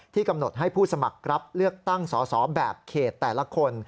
กำหนดให้ผู้สมัครรับเลือกตั้งสอสอแบบเขตแต่ละคน